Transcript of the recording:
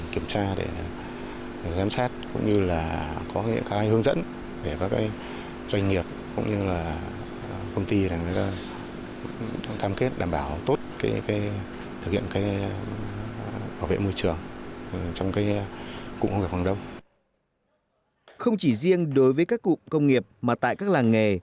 không chỉ riêng đối với các cụm công nghiệp mà tại các làng nghề